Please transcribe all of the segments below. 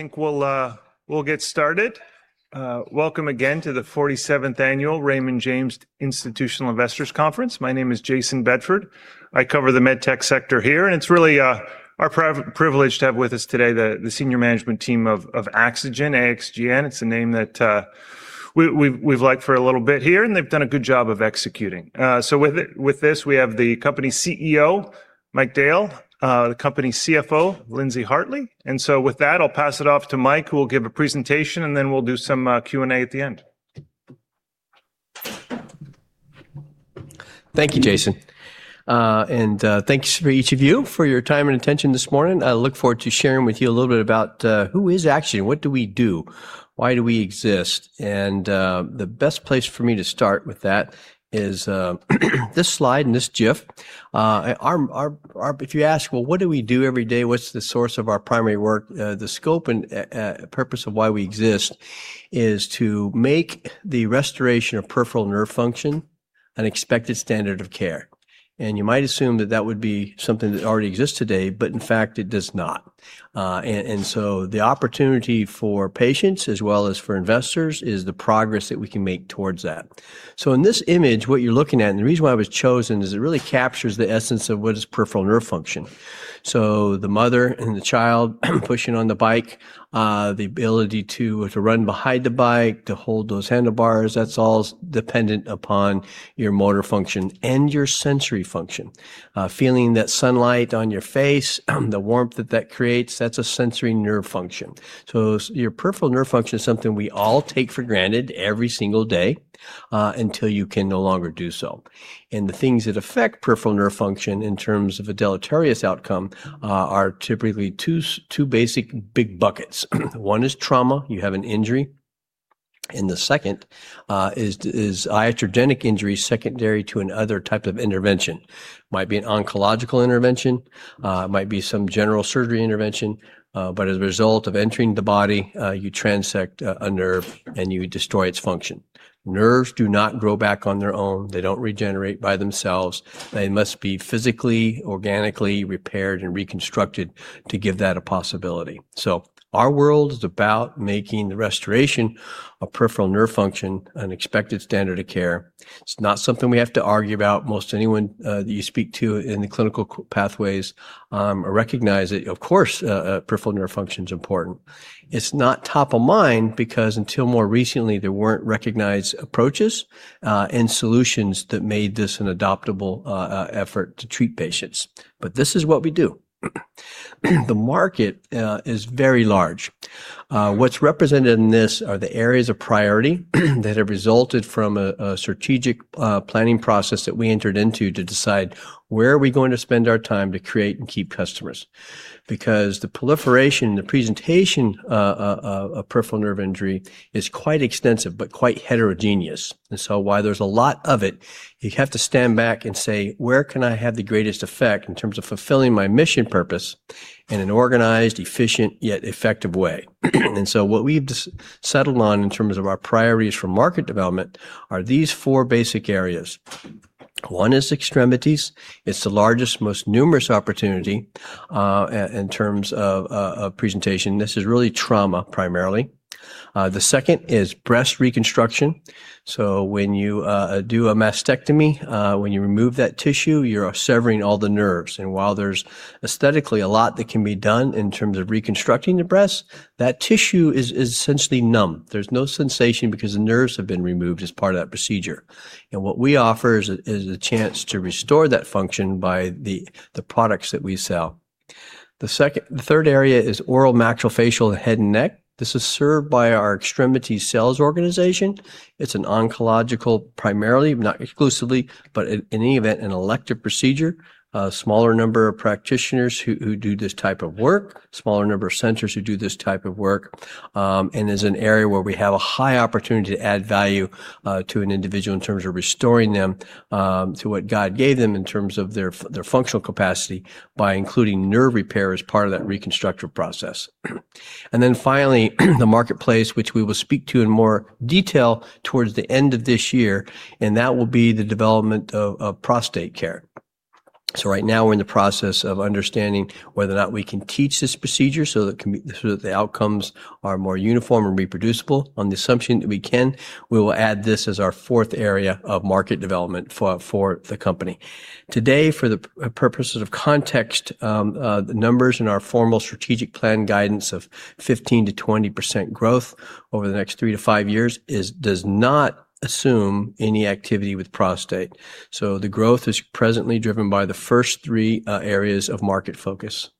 I think we'll get started. Welcome again to the 47th annual Raymond James Institutional Investors Conference. My name is Jayson Bedford. I cover the med tech sector here, and it's really our privilege to have with us today the senior management team of AxoGen, AXGN. It's a name that we've liked for a little bit here, and they've done a good job of executing. With this, we have the company CEO, Mike Dale, the company CFO, Lindsey Hartley. With that, I'll pass it off to Mike, who will give a presentation, then we'll do some Q&A at the end. Thank you, Jayson. And thanks for each of you for your time and attention this morning. I look forward to sharing with you a little bit about who is AxoGen, what do we do, why do we exist. The best place for me to start with that is this slide and this GIF. Our If you ask, "Well, what do we do every day? What's the source of our primary work?" The scope and purpose of why we exist is to make the restoration of peripheral nerve function an expected standard of care. You might assume that that would be something that already exists today, but in fact, it does not. The opportunity for patients as well as for investors is the progress that we can make towards that. In this image, what you're looking at, and the reason why it was chosen, is it really captures the essence of what is peripheral nerve function. The mother and the child pushing on the bike, the ability to run behind the bike, to hold those handlebars, that's all dependent upon your motor function and your sensory function. Feeling that sunlight on your face, the warmth that creates, that's a sensory nerve function. Your peripheral nerve function is something we all take for granted every single day, until you can no longer do so. And the things that affect peripheral nerve function in terms of a deleterious outcome, are typically two basic big buckets. One is trauma, you have an injury, and the second, is iatrogenic injury secondary to another type of intervention. Might be an oncological intervention, might be some general surgery intervention. As a result of entering the body, you transect a nerve and you destroy its function. Nerves do not grow back on their own. They don't regenerate by themselves. They must be physically, organically repaired and reconstructed to give that a possibility. Our world is about making the restoration of peripheral nerve function an expected standard of care. It's not something we have to argue about. Most anyone that you speak to in the clinical pathways recognize that, of course, peripheral nerve function's important. It's not top of mind because until more recently, there weren't recognized approaches and solutions that made this an adoptable effort to treat patients. This is what we do. The market is very large. What's represented in this are the areas of priority that have resulted from a strategic planning process that we entered into to decide "where are we going to spend our time to create and keep customers". Because the proliferation, the presentation of peripheral nerve injury is quite extensive but quite heterogeneous. And so, while there's a lot of it, you have to stand back and say, "Where can I have the greatest effect in terms of fulfilling my mission purpose in an organized, efficient, yet effective way?" And so, what we've settled on in terms of our priorities for market development are these four basic areas. One is extremities. It's the largest, most numerous opportunity in terms of presentation. This is really trauma primarily. The second is breast reconstruction. When you do a mastectomy, when you remove that tissue, you are severing all the nerves. While there's aesthetically a lot that can be done in terms of reconstructing the breast, that tissue is essentially numb. There's no sensation because the nerves have been removed as part of that procedure. What we offer is a chance to restore that function by the products that we sell. The third area is oral maxillofacial head and neck. This is served by our extremity sales organization. It's an oncological primarily, not exclusively, but in any event, an elective procedure. A smaller number of practitioners who do this type of work, smaller number of centers who do this type of work, and is an area where we have a high opportunity to add value to an individual in terms of restoring them to what God gave them in terms of their functional capacity by including nerve repair as part of that reconstructive process. Then finally, the marketplace, which we will speak to in more detail towards the end of this year, and that will be the development of prostate care. Right now, we're in the process of understanding whether or not we can teach this procedure so that the outcomes are more uniform and reproducible. On the assumption that we can, we will add this as our fourth area of market development for the company. Today, for the purposes of context, the numbers in our formal strategic plan guidance of 15% to 20% growth over the next three to five years does not assume any activity with prostate. The growth is presently driven by the first three areas of market focus.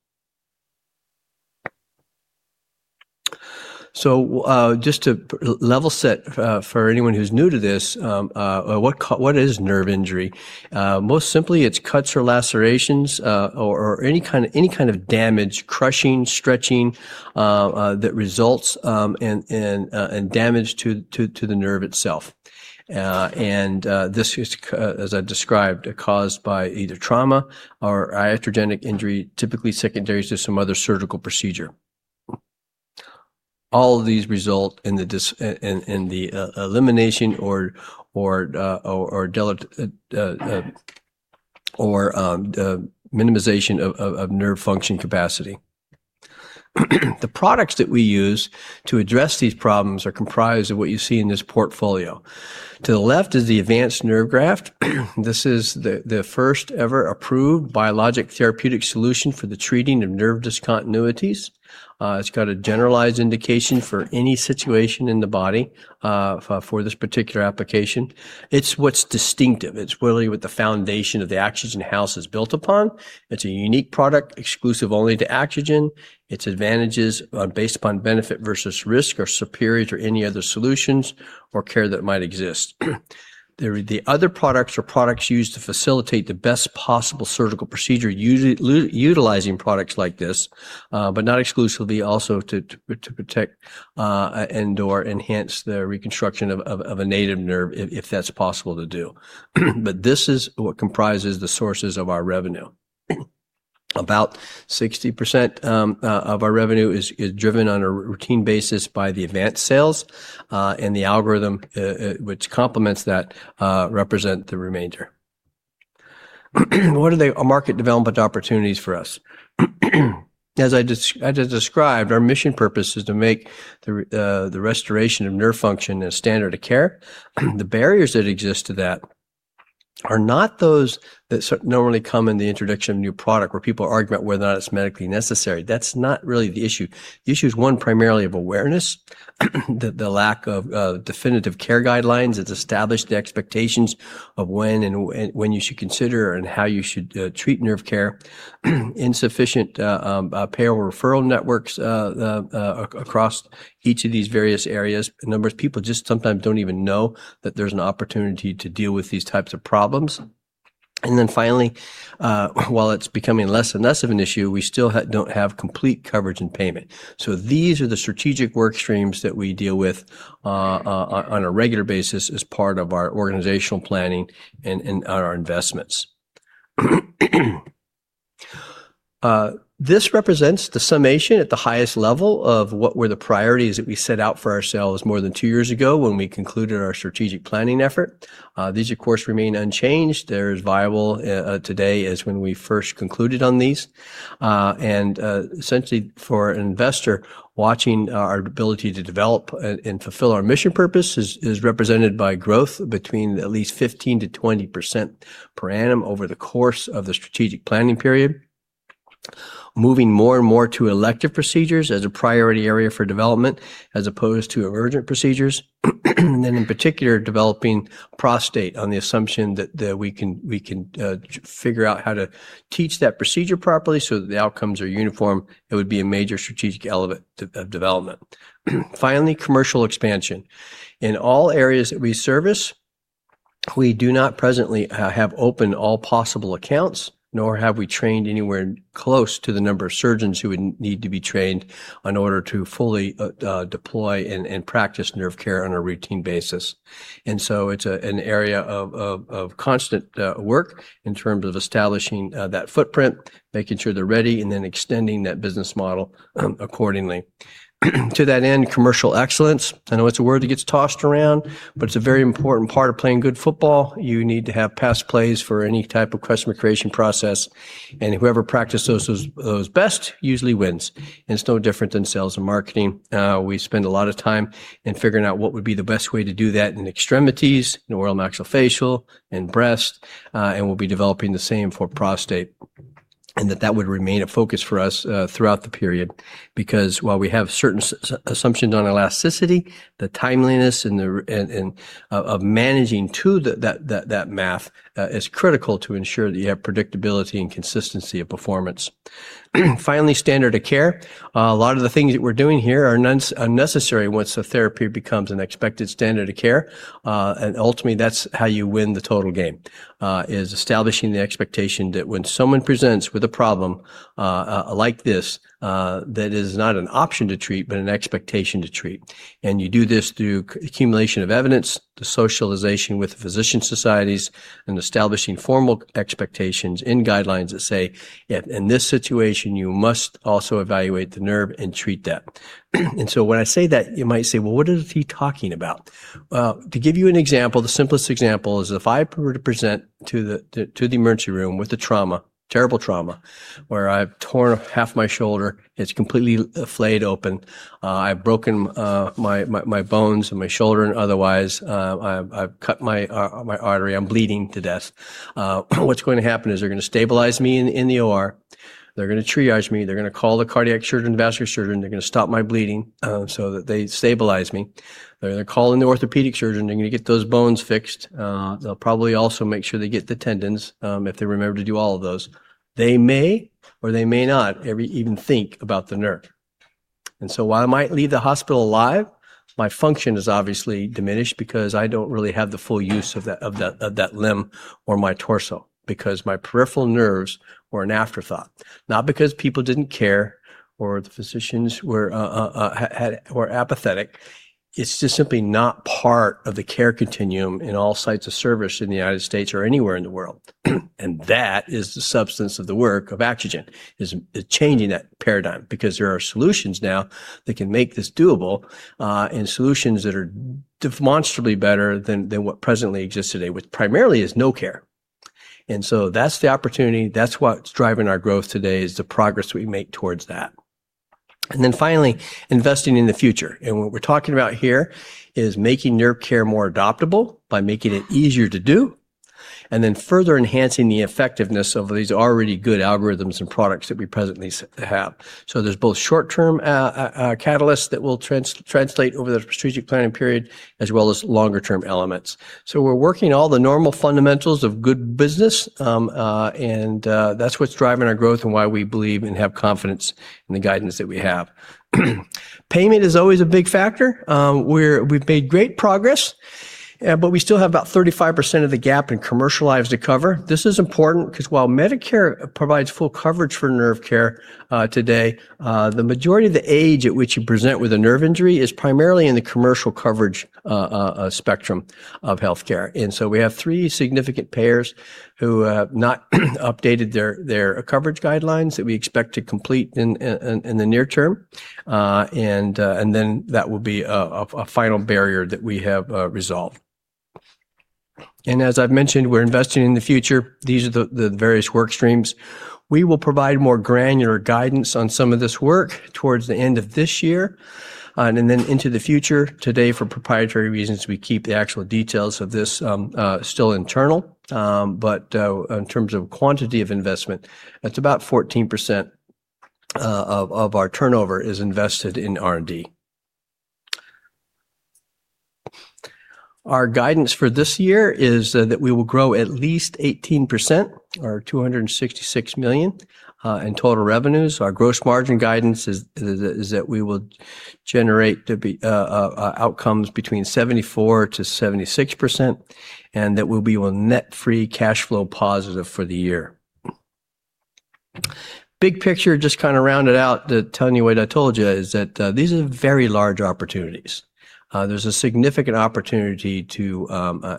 Just to level set for anyone who's new to this, what is nerve injury? Most simply, it's cuts or lacerations, or any kind of damage, crushing, stretching, that results in damage to the nerve itself. This is as I described, caused by either trauma or iatrogenic injury, typically secondary to some other surgical procedure. All of these result in the elimination or the minimization of nerve function capacity. The products that we use to address these problems are comprised of what you see in this portfolio. To the left is the AVANCE Nerve Graft. This is the first-ever approved biologic therapeutic solution for the treating of nerve discontinuities. It's got a generalized indication for any situation in the body for this particular application. It's what's distinctive. It's really what the foundation of the AxoGen house is built upon. It's a unique product exclusive only to AxoGen. Its advantages are based upon benefit versus risk are superior to any other solutions or care that might exist. The other products are products used to facilitate the best possible surgical procedure utilizing products like this, but not exclusively also to protect, and/or enhance the reconstruction of a native nerve if that's possible to do. This is what comprises the sources of our revenue. About 60% of our revenue is driven on a routine basis by the Avance sales, and the AxoGuard, which complements that, represent the remainder. What are the market development opportunities for us? As I just described, our mission purpose is to make the restoration of nerve function a standard of care. The barriers that exist to that are not those that normally come in the introduction of a new product where people argue about whether or not it's medically necessary. That's not really the issue. The issue is one primarily of awareness, the lack of definitive care guidelines that establish the expectations of when and when you should consider and how you should treat nerve care, insufficient payer or referral networks across each of these various areas. Numbers of people just sometimes don't even know that there's an opportunity to deal with these types of problems. Finally, while it's becoming less and less of an issue, we still don't have complete coverage and payment. These are the strategic work streams that we deal with on a regular basis as part of our organizational planning and our investments. This represents the summation at the highest level of what were the priorities that we set out for ourselves more than two years ago when we concluded our strategic planning effort. These of course remain unchanged. They're as viable today as when we first concluded on these. Essentially for an investor watching our ability to develop and fulfill our mission purpose is represented by growth between at least 15% to 20% per annum over the course of the strategic planning period. Moving more and more to elective procedures as a priority area for development as opposed to emergent procedures. In particular, developing prostate on the assumption that we can figure out how to teach that procedure properly so that the outcomes are uniform. It would be a major strategic element of development. Finally, commercial expansion. In all areas that we service, we do not presently have open all possible accounts, nor have we trained anywhere close to the number of surgeons who would need to be trained in order to fully deploy and practice nerve care on a routine basis. It's an area of constant work in terms of establishing that footprint, making sure they're ready, and then extending that business model accordingly. To that end, commercial excellence. I know it's a word that gets tossed around, but it's a very important part of playing good football. You need to have pass plays for any type of customer creation process, and whoever practices those best usually wins. It's no different than sales and marketing. We spend a lot of time in figuring out what would be the best way to do that in extremities, oral maxillofacial and breast, and we'll be developing the same for prostate, and that would remain a focus for us throughout the period. While we have certain assumptions on elasticity, the timeliness and of managing to that math is critical to ensure that you have predictability and consistency of performance. Finally, standard of care. A lot of the things that we're doing here are unnecessary once the therapy becomes an expected standard of care. Ultimately, that's how you win the total game, is establishing the expectation that when someone presents with a problem like this that is not an option to treat, but an expectation to treat. You do this through accumulation of evidence, the socialization with physician societies, and establishing formal expectations and guidelines that say, "In this situation, you must also evaluate the nerve and treat that." When I say that, you might say, "Well, what is he talking about?" Well, to give you an example, the simplest example is if I were to present to the emergency room with a trauma, terrible trauma, where I've torn up half my shoulder, it's completely flayed open, I've broken my bones and my shoulder and otherwise, I've cut my artery, I'm bleeding to death, what's going to happen is they're gonna stabilize me in the OR. They're gonna triage me. They're gonna call the cardiac surgeon, vascular surgeon. They're gonna stop my bleeding, so that they stabilize me. They're gonna call in the orthopedic surgeon. They're gonna get those bones fixed. They'll probably also make sure they get the tendons, if they remember to do all of those. They may or they may not ever even think about the nerve. While I might leave the hospital alive, my function is obviously diminished because I don't really have the full use of that limb or my torso because my peripheral nerves were an afterthought. Not because people didn't care or the physicians were apathetic. It's just simply not part of the care continuum in all sites of service in the United States or anywhere in the world. That is the substance of the work of AxoGen, is changing that paradigm because there are solutions now that can make this doable, and solutions that are demonstrably better than what presently exists today, which primarily is no care. That's the opportunity, that's what's driving our growth today is the progress we make towards that. Finally, investing in the future. What we're talking about here is making nerve care more adoptable by making it easier to do, and then further enhancing the effectiveness of these already good algorithms and products that we presently have. There's both short-term catalysts that will translate over the strategic planning period as well as longer term elements. We're working all the normal fundamentals of good business, that's what's driving our growth and why we believe and have confidence in the guidance that we have. Payment is always a big factor. We've made great progress, but we still have about 35% of the gap in commercial lives to cover. This is important because while Medicare provides full coverage for nerve care, today, the majority of the age at which you present with a nerve injury is primarily in the commercial coverage spectrum of healthcare. We have three significant payers who have not updated their coverage guidelines that we expect to complete in the near term. That will be a final barrier that we have resolved. As I've mentioned, we're investing in the future. These are the various work streams. We will provide more granular guidance on some of this work towards the end of this year and then into the future. Today, for proprietary reasons, we keep the actual details of this still internal. In terms of quantity of investment, it's about 14% of our turnover is invested in R&D. Our guidance for this year is that we will grow at least 18% or $266 million in total revenues. Our gross margin guidance is that we will generate outcomes between 74% to 76%, and that we'll be net free cash flow positive for the year. Big picture, just kind of round it out, telling you what I told you is that these are very large opportunities. There's a significant opportunity to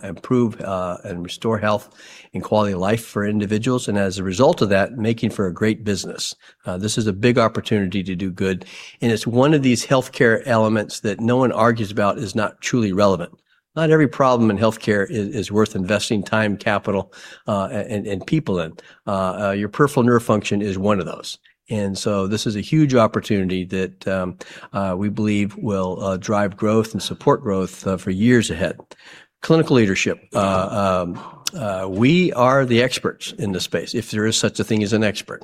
improve and restore health and quality of life for individuals, and as a result of that, making for a great business. This is a big opportunity to do good, and it's one of these healthcare elements that no one argues about is not truly relevant. Not every problem in healthcare is worth investing time, capital, and people in. Your peripheral nerve function is one of those. This is a huge opportunity that we believe will drive growth and support growth for years ahead. Clinical leadership. We are the experts in this space, if there is such a thing as an expert.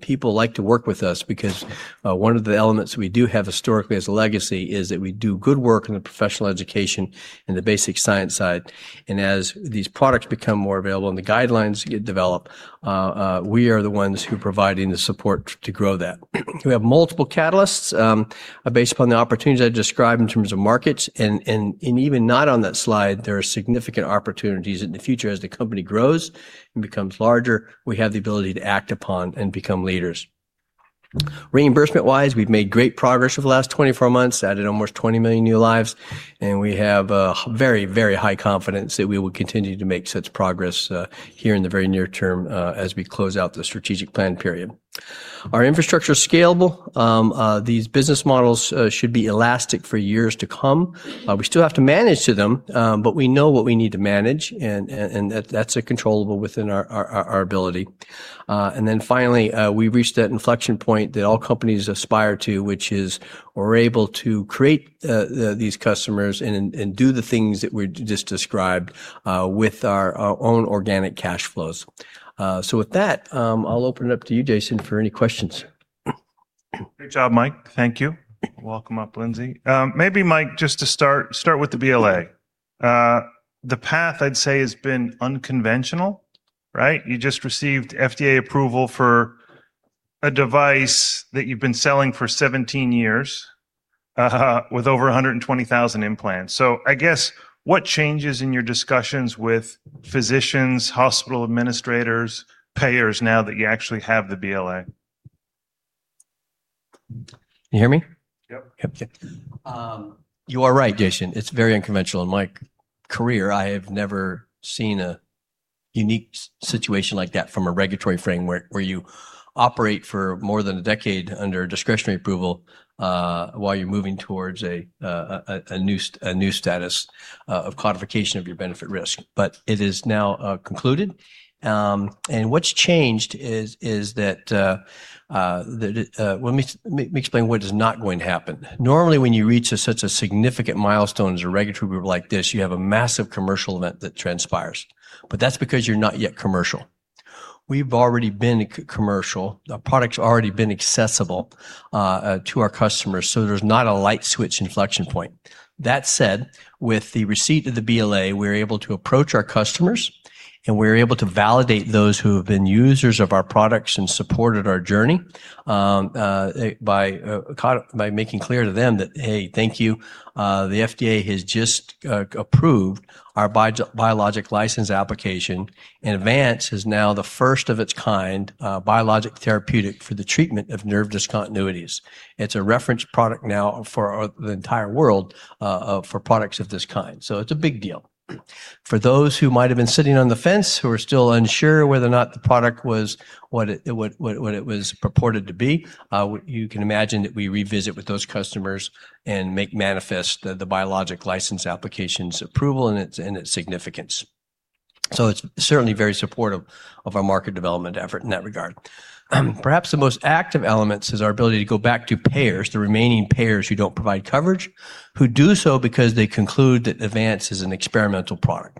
People like to work with us because one of the elements we do have historically as a legacy is that we do good work in the professional education and the basic science side. As these products become more available and the guidelines get developed, we are the ones who are providing the support to grow that. We have multiple catalysts, based upon the opportunities I described in terms of markets, and even not on that slide, there are significant opportunities in the future as the company grows and becomes larger, we have the ability to act upon and become leaders. Reimbursement-wise, we've made great progress over the last 24 months, added almost 20 million new lives, and we have a very, very high confidence that we will continue to make such progress here in the very near term as we close out the strategic plan period. Our infrastructure is scalable. These business models should be elastic for years to come. We still have to manage to them, but we know what we need to manage and that's a controllable within our ability. Finally, we've reached that inflection point that all companies aspire to, which is we're able to create these customers and do the things that we just described with our own organic cash flows. With that, I'll open it up to you, Jayson, for any questions. Great job, Mike. Thank you. Welcome up, Lindsey. Maybe Mike, start with the BLA. The path I'd say has been unconventional, right? You just received FDA approval for a device that you've been selling for 17 years, with over 120,000 implants. I guess what changes in your discussions with physicians, hospital administrators, payers now that you actually have the BLA? You hear me? Yep. Yep. Okay. You are right, Jayson. It's very unconventional. In my career, I have never seen a unique situation like that from a regulatory framework where you operate for more than a decade under discretionary approval, while you're moving towards a new status of quantification of your benefit risk. It is now concluded. What's changed is that. Let me explain what is not going to happen. Normally, when you reach a such a significant milestone as a regulatory group like this, you have a massive commercial event that transpires, but that's because you're not yet commercial. We've already been commercial. The product's already been accessible to our customers, there's not a light switch inflection point. That said, with the receipt of the BLA, we're able to approach our customers, and we're able to validate those who have been users of our products and supported our journey, by making clear to them that, "Hey, thank you. The FDA has just approved our Biologics License Application, and Avance is now the first of its kind, biologic therapeutic for the treatment of nerve discontinuities." It's a reference product now for the entire world for products of this kind. It's a big deal. For those who might have been sitting on the fence who are still unsure whether or not the product was what it was purported to be, you can imagine that we revisit with those customers and make manifest the Biologics License Application's approval and its significance. It's certainly very supportive of our market development effort in that regard. Perhaps the most active elements is our ability to go back to payers, the remaining payers who don't provide coverage, who do so because they conclude that Avance is an experimental product.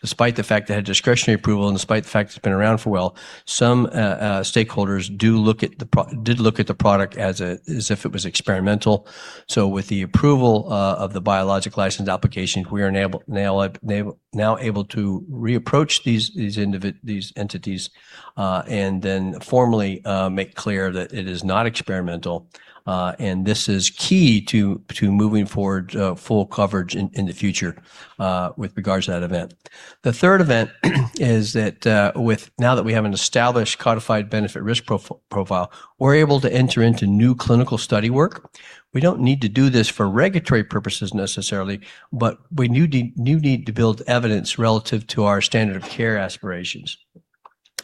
Despite the fact it had discretionary approval and despite the fact it's been around for a while, some stakeholders did look at the product as if it was experimental. With the approval of the Biologics License Application, we are now able to reapproach these entities, and then formally make clear that it is not experimental. This is key to moving forward full coverage in the future with regards to that event. The third event is that, with now that we have an established codified benefit risk profile, we're able to enter into new clinical study work. We don't need to do this for regulatory purposes necessarily, but we knew need to build evidence relative to our standard of care aspirations.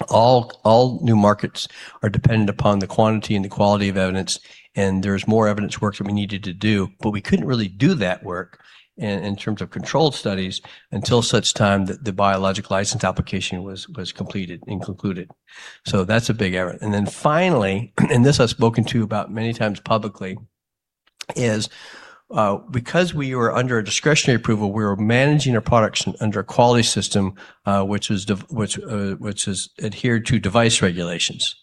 All new markets are dependent upon the quantity and the quality of evidence, and there's more evidence work that we needed to do. We couldn't really do that work in terms of controlled studies until such time that the Biologics License Application was completed and concluded. That's a big area. Then finally, and this I've spoken to about many times publicly, is because we were under a discretionary approval, we were managing our products under a quality system, which was adhered to device regulations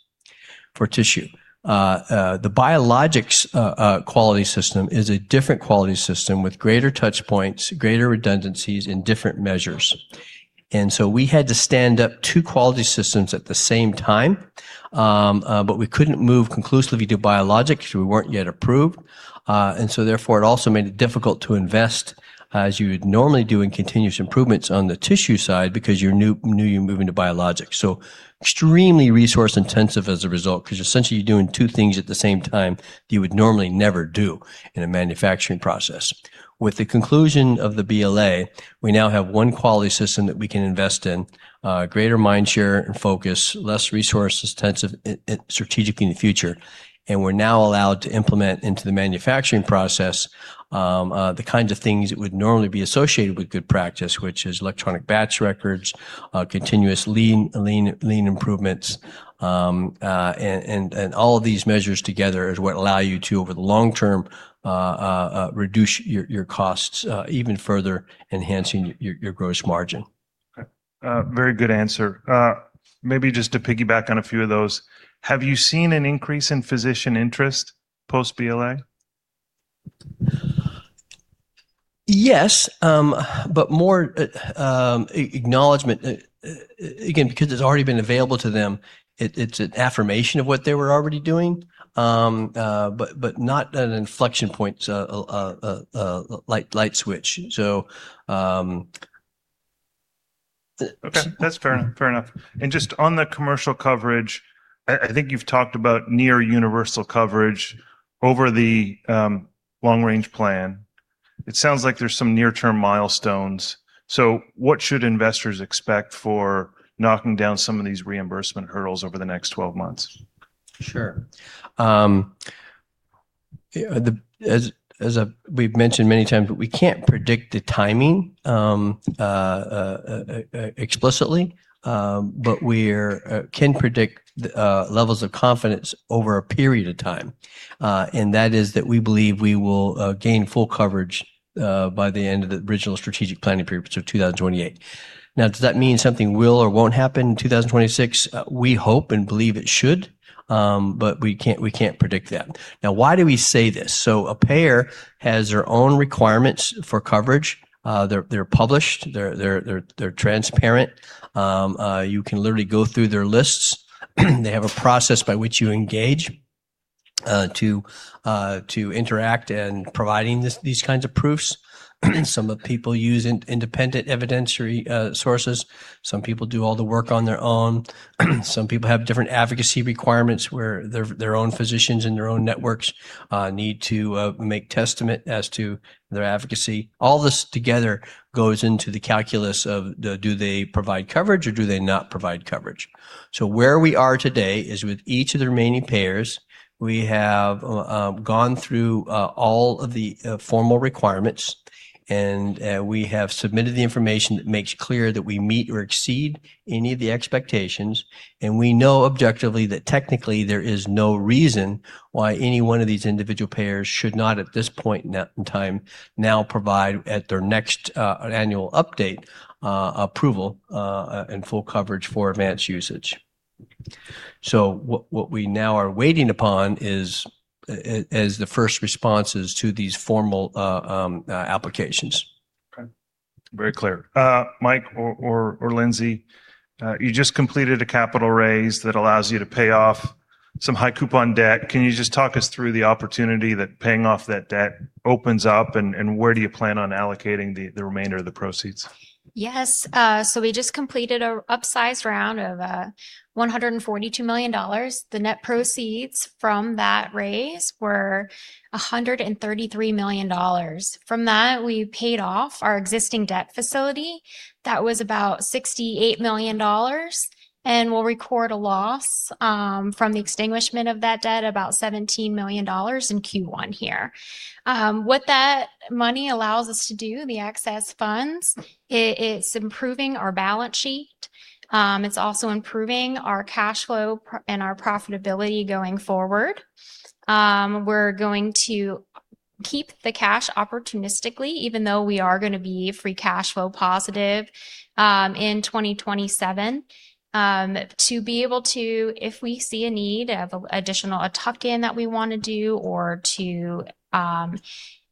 for tissue. The biologics quality system is a different quality system with greater touch points, greater redundancies and different measures. So we had to stand up two quality systems at the same time, we couldn't move conclusively to biologics because we weren't yet approved. It also made it difficult to invest as you would normally do in continuous improvements on the tissue side because you're new, you're moving to biologics. Extremely resource intensive as a result, because essentially you're doing two things at the same time that you would normally never do in a manufacturing process. With the conclusion of the BLA, we now have one quality system that we can invest in, greater mind share and focus, less resource intensive strategically in the future. We're now allowed to implement into the manufacturing process, the kinds of things that would normally be associated with good practice, which is electronic batch records, continuous lean improvements. And all of this measures together is what allow you to, over the long term, reduce your costs, even further enhancing your gross margin Okay. Very good answer. Maybe just to piggyback on a few of those, have you seen an increase in physician interest post-BLA? Yes, more acknowledgment. Again, because it's already been available to them, it's an affirmation of what they were already doing. Not an inflection point, light switch. Okay. That's fair. Fair enough. Just on the commercial coverage, I think you've talked about near universal coverage over the long-range plan. It sounds like there's some near-term milestones. What should investors expect for knocking down some of these reimbursement hurdles over the next 12 months? Sure. As we've mentioned many times, we can't predict the timing explicitly. We can predict the levels of confidence over a period of time. That is that we believe we will gain full coverage by the end of the original strategic planning period, which is 2028. Does that mean something will or won't happen in 2026? We hope and believe it should, but we can't predict that. Why do we say this? A payer has their own requirements for coverage. They're published, they're transparent. You can literally go through their lists. They have a process by which you engage to interact in providing these kinds of proofs. Some of people use independent evidentiary sources. Some people do all the work on their own. Some people have different advocacy requirements where their own physicians and their own networks need to make testament as to their advocacy. All this together goes into the calculus of do they provide coverage or do they not provide coverage. Where we are today is with each of the remaining payers, we have gone through all of the formal requirements, and we have submitted the information that makes clear that we meet or exceed any of the expectations. We know objectively that technically there is no reason why any one of these individual payers should not, at this point in time, now provide at their next annual update approval and full coverage for Avance usage. What we now are waiting upon is as the first responses to these formal applications. Okay. Very clear. Mike or Lindsey, you just completed a capital raise that allows you to pay off some high coupon debt. Can you just talk us through the opportunity that paying off that debt opens up, and where do you plan on allocating the remainder of the proceeds? Yes. We just completed a upsized round of, $142 million. The net proceeds from that raise were $133 million. From that, we paid off our existing debt facility. That was about $68 million. We'll record a loss, from the extinguishment of that debt, about $17 million in first quarter here. What that money allows us to do, the excess funds, it's improving our balance sheet. It's also improving our cash flow and our profitability going forward. We're going to keep the cash opportunistically even though we are gonna be free cash flow positive, in 2027. To be able to, if we see a need of a additional, a tuck-in that we want to do or to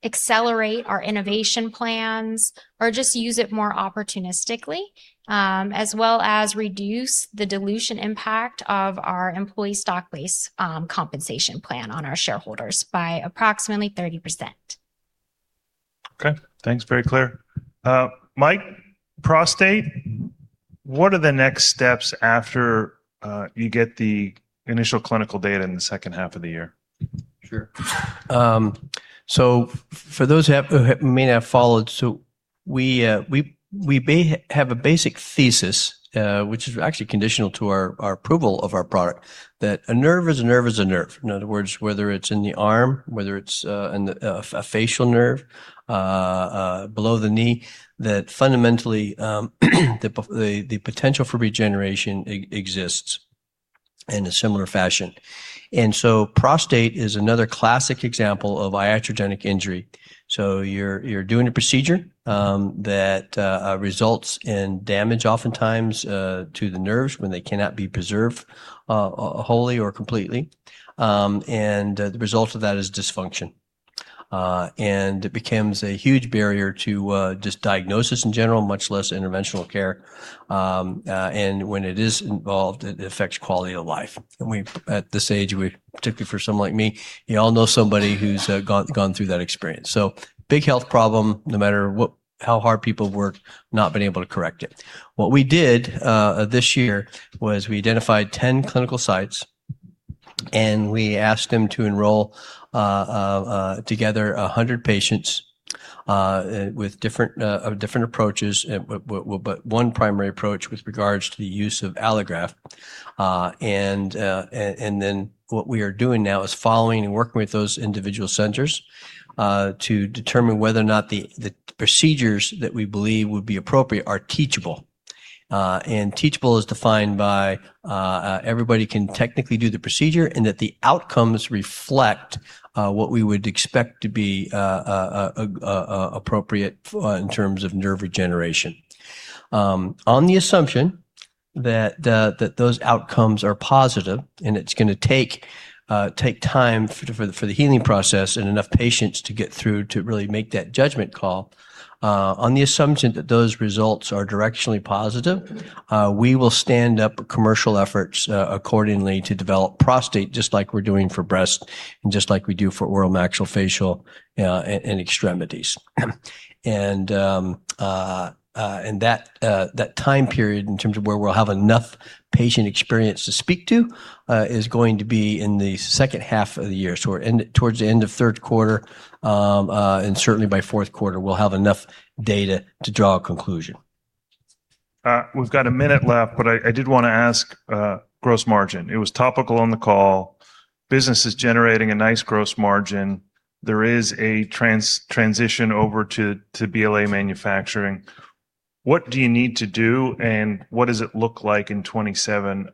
accelerate our innovation plans or just use it more opportunistically, as well as reduce the dilution impact of our employee stock-based compensation plan on our shareholders by approximately 30%. Okay. Thanks. Very clear. Mike, prostate, what are the next steps after you get the initial clinical data in the second half of the year? Sure. So, for those who may not have followed, we have a basic thesis, which is actually conditional to our approval of our product, that a nerve is a nerve is a nerve. In other words, whether it's in the arm, whether it's in a facial nerve, below the knee, that fundamentally, the potential for regeneration exists in a similar fashion. Prostate is another classic example of iatrogenic injury. You're doing a procedure that results in damage oftentimes to the nerves when they cannot be preserved wholly or completely. The result of that is dysfunction. It becomes a huge barrier to just diagnosis in general, much less interventional care. When it is involved, it affects quality of life. At this age, we, particularly for someone like me, you all know somebody who's gone through that experience. Big health problem, no matter what, how hard people have worked, not been able to correct it. What we did this year was we identified 10 clinical sites, and we asked them to enroll together 100 patients with different approaches, but one primary approach with regards to the use of allograft. Then what we are doing now is following and working with those individual centers to determine whether or not the procedures that we believe would be appropriate are teachable. Teachable is defined by everybody can technically do the procedure and that the outcomes reflect what we would expect to be appropriate in terms of nerve regeneration. On the assumption that those outcomes are positive, and it's gonna take time for the healing process and enough patients to get through to really make that judgment call, on the assumption that those results are directionally positive, we will stand up commercial efforts accordingly to develop prostate just like we're doing for breast and just like we do for oral maxillofacial and extremities. That time period in terms of where we'll have enough patient experience to speak to is going to be in the second half of the year. Towards the end of third quarter, and certainly by fourth quarter, we'll have enough data to draw a conclusion. We've got a minute left, but I did wanna ask, gross margin. It was topical on the call. Business is generating a nice gross margin. There is a transition over to BLA manufacturing. What do you need to do, and what does it look like in 2027,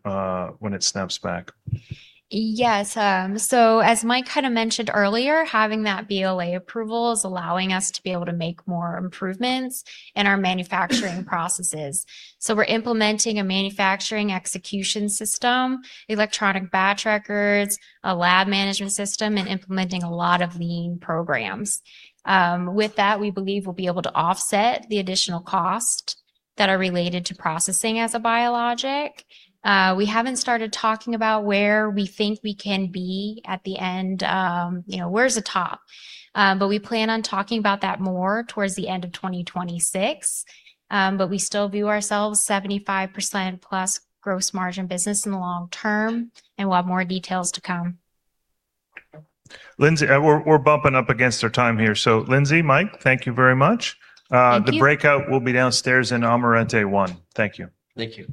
when it snaps back? Yes. As Mike kind of mentioned earlier, having that BLA approval is allowing us to be able to make more improvements in our manufacturing processes. We're implementing a manufacturing execution system, electronic batch records, a lab management system, and implementing a lot of lean programs. With that, we believe we'll be able to offset the additional costs that are related to processing as a biologic. We haven't started talking about where we think we can be at the end, you know, where's the top? We plan on talking about that more towards the end of 2026, but we still view ourselves 75% plus gross margin business in the long term, and we'll have more details to come. Lindsey, we're bumping up against our time here. Lindsey, Mike, thank you very much. Thank you. The breakout will be downstairs in Amarante I. Thank you. Thank you.